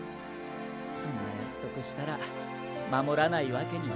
そんな約束したら守らないわけにはいかないだろう。